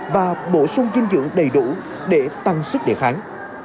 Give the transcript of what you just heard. và bổ sung dinh dưỡng đầy đủ để tăng sức đề kháng